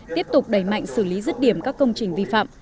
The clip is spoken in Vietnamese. tiếp tục đẩy mạnh xử lý rứt điểm các công trình vi phạm